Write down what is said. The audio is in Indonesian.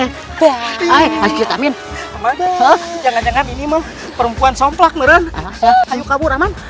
hai masjid amin jangan jangan ini mau perempuan somplak merah ayo kabur aman